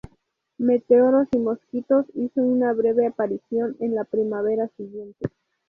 Meteoros y Mosquitos hizo una breve aparición en la primavera siguiente.